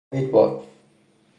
جاوید باد!